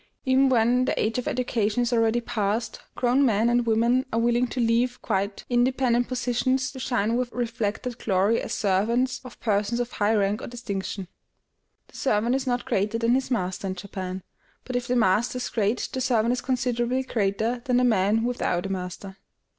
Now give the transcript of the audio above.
Even when the age of education is already past, grown men and women are willing to leave quite independent positions to shine with reflected glory as servants of persons of high rank or distinction. "The servant is not greater than his master" in Japan; but if the master is great, the servant is considerably greater than the man without a master.